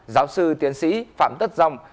giáo sư tiến sĩ phạm tất dông